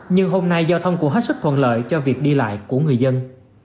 nhưng hôm nay giao thông cũng hết sức thuận lợi cho việc đi lại của người dân